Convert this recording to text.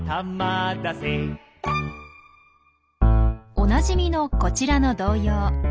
おなじみのこちらの童謡。